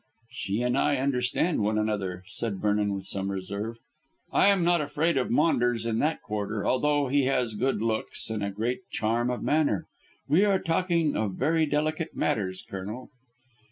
"She and I understand one another," said Vernon with some reserve. "I am not afraid of Maunders in that quarter, although he has good looks and a great charm of manner. We are talking of very delicate matters, Colonel."